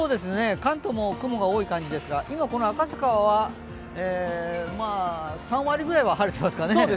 関東も雲が多い感じですが今、赤坂は３割ぐらいは晴れてますかね。